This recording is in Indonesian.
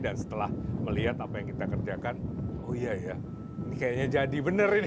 dan setelah melihat apa yang kita kerjakan oh iya ya ini kayaknya jadi benar ini